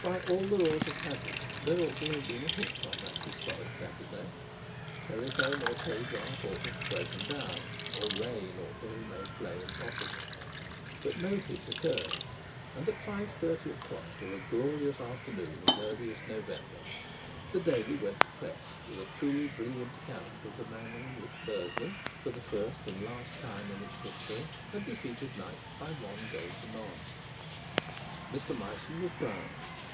By all the laws of hazard there ought to have been a hitch on that historic Saturday. Telephone or telegraph ought to have broken down, or rain ought to have made play impossible, but no hitch occurred. And at five thirty o'clock of a glorious afternoon in earliest November the Daily went to press with a truly brilliant account of the manner in which Bursley (for the first and last time in its history) had defeated Knype by one goal to none. Mr Myson was proud.